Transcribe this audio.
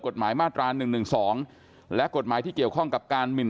กฎหมายมาตราหนึ่งหนึ่งสองและกฎหมายที่เกี่ยวข้องกับการหมิน